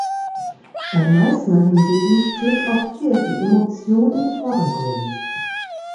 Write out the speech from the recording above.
Bei Meisner hingegen steht auch hier die Emotion im Vordergrund.